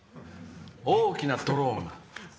大きなドローンが。